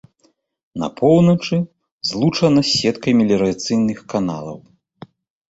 На поўначы злучана з сеткай меліярацыйных каналаў.